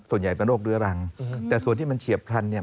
ส่วนใหญ่เป็นโรคเรื้อรังแต่ส่วนที่มันเฉียบพรรณเนี่ย